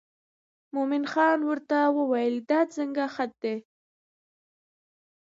مومن خان ورته وویل دا څنګه خط دی.